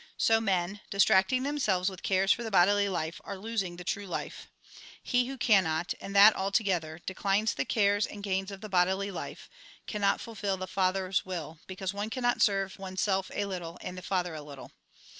So men, distracting themselves with cares for the bodily life, are losing the true life. He who cannot, and that altogether, decline the cares and gains of the bodily life, cannot fulfil the Father's will, because one cannot serve one self a little, and the Father a httle.